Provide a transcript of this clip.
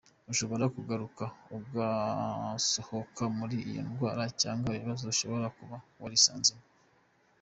Ushobora guhaguruka ugasohoka muri iyo ndwara cyangwa ikibazo ushobora kuba warisanzemo.